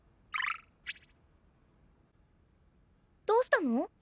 どうしたの？